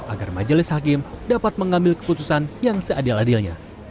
agar majelis hakim dapat mengambil keputusan yang seadil adilnya